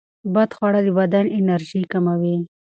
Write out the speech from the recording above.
بدخواړه د بدن انرژي کموي.